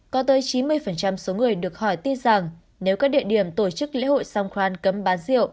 có tới chín mươi số người được hỏi tin rằng nếu các địa điểm tổ chức lễ hội song khoan cấm bán rượu